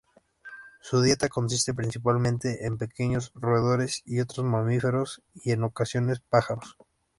Su dieta consiste principalmente en pequeños roedores y otros mamíferos, y en ocasiones pájaros.